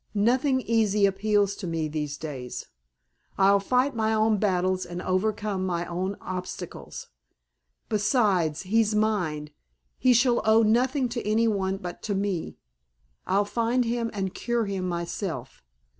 Nothing easy appeals to me these days. I'll fight my own battles and overcome my own obstacles. Besides, he's mine. He shall owe nothing to any one but to me. I'll find him and cure him myself."